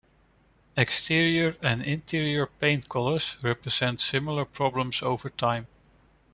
Exterior and interior paint colors present similar problems over time.